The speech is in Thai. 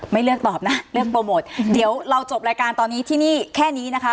ไม่เลือกตอบนะเลือกโปรโมทเดี๋ยวเราจบรายการตอนนี้ที่นี่แค่นี้นะคะ